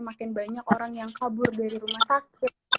makin banyak orang yang kabur dari rumah sakit